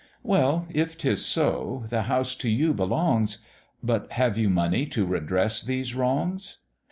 "Well, if 'tis so, the house to you belongs; But have you money to redress these wrongs?